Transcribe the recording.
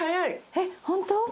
えっホント？